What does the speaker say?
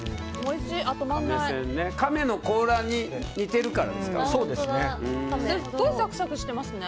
カメの甲羅に似ているからそうですね。